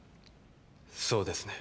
「そうですね。